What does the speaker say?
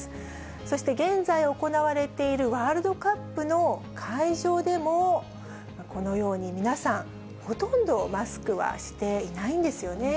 そして現在行われているワールドカップの会場でも、このように皆さん、ほとんどマスクはしていないんですよね。